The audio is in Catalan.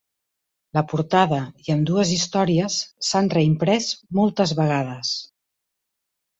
La portada i ambdues històries s'han reimprès moltes vegades.